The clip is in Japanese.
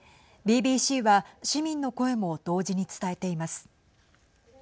ＢＢＣは市民の声も同時に伝えています。